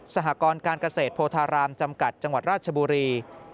หกรการเกษตรโพธารามจำกัดจังหวัดราชบุรี